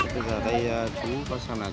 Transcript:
bây giờ đây chú có sao nào